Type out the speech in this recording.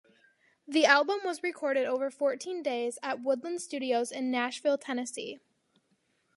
The album was recorded over fourteen days at Woodland Studios in Nashville, Tennessee.